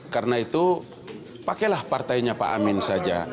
karena itu pakailah partainya pak amin saja